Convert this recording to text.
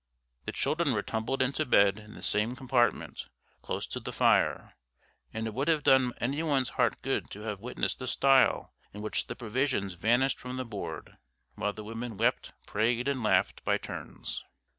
The children were tumbled into bed in the same compartment, close to the fire; and it would have done any one's heart good to have witnessed the style in which the provisions vanished from the board, while the women wept, prayed, and laughed, by turns.